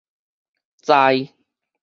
在